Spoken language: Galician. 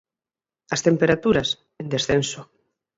As temperaturas, en descenso.